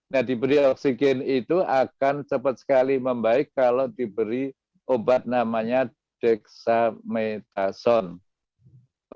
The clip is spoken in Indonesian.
nah diberi oksigen itu akan cepat sekali membaik kalau diberi obat namanya dexamethasone